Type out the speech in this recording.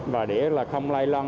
và để không lây lan